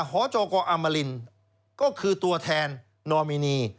หจกอมรินก็คือตัวแทนนอมินี